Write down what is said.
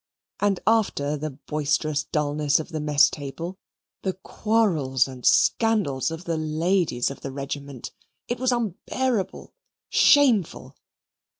And after the boisterous dulness of the mess table, the quarrels and scandal of the ladies of the regiment! It was unbearable, shameful.